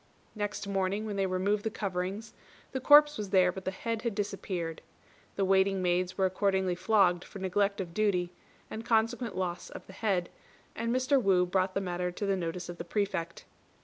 Next morning, when they removed the coverings, the corpse was there but the head had disappeared. The waiting maids were accordingly flogged for neglect of duty, and consequent loss of the head, and Mr. Wu brought the matter to the notice of the Prefect.